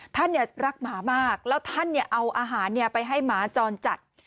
ท่านเนี่ยรักหมามากแล้วท่านเนี่ยเอาอาหารเนี่ยไปให้หมาจรจัด